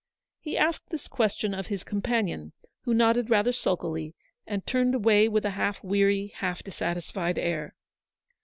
He asked this question of his companion, who nodded rather sulkily, and turned away with a half weary, half dissatisfied air.